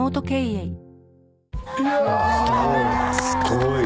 すごい。